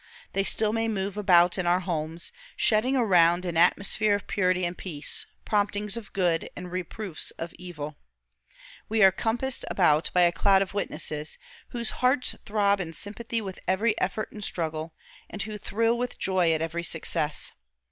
They still may move about in our homes, shedding around an atmosphere of purity and peace, promptings of good, and reproofs of evil. We are compassed about by a cloud of witnesses, whose hearts throb in sympathy with every effort and struggle, and who thrill with joy at every success.